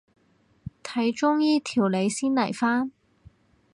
睇中醫調理先嚟返